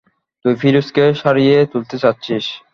তুই ফিরোজকে সারিয়ে তুলতে চাচ্ছিস।